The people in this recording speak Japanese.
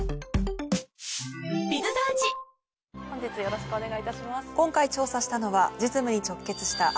本日よろしくお願いいたします。